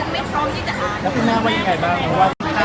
มันฝูตคงนะคะ